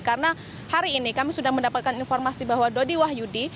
karena hari ini kami sudah mendapatkan informasi bahwa dodi wahyudi